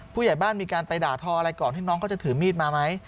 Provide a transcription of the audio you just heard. ผู้ใหญ่บ้านมีการไปด่าทออะไรก่อนที่น้องเขาจะถือมีดมาไหม